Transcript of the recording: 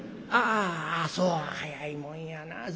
ああそう早いもんやな。